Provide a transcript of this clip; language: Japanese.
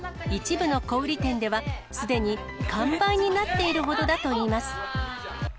一部の小売り店では、すでに完売になっているほどだといいます。